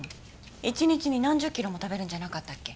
一日に何十キロも食べるんじゃなかったっけ？